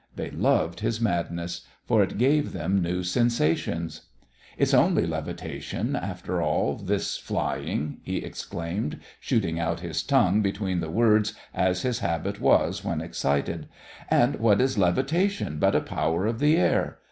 They loved his madness, for it gave them new sensations. "It's only levitation, after all, this flying," he exclaimed, shooting out his tongue between the words, as his habit was when excited; "and what is levitation but a power of the air?